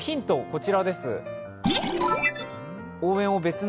こちらです。